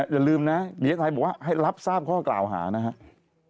อย่าลืมนะหลีเอะไตบอกว่าให้รับทราบข้อเกล่าหานะครับ